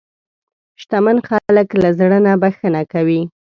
شتمن خلک له زړه نه بښنه کوي.